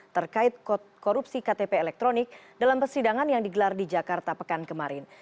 terkait korupsi ktp elektronik dalam persidangan yang digelar di jakarta pekan kemarin